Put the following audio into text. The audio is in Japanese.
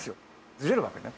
ずれるわけね。